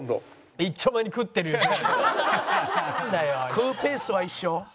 食うペースは一緒。